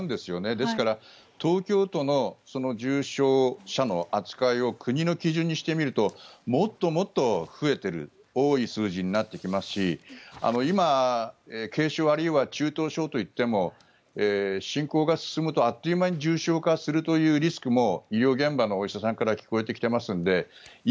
ですから東京都の重症者の扱いを国の基準にしてみるともっともっと増えてる多い数字になってきますし今、軽症あるいは中等症といっても進行が進むとあっという間に重症化リスクが進むということも医療現場のお医者さんから聞こえてきていますので